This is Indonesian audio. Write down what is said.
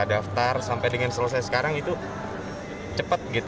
daftar sampai dengan selesai sekarang itu cepet gitu ya dan ini juga di hari minggu kalau menurut